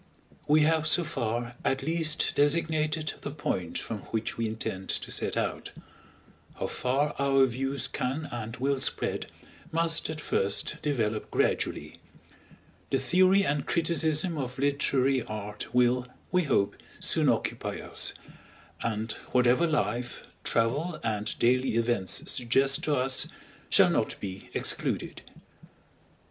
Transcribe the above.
We have so far at least designated the point from which we intend to set out; how far our views can and will spread, must at first develop gradually. The theory and criticism of literary art will, we hope, soon occupy us; and whatever life, travel, and daily events suggest to us, shall not be excluded.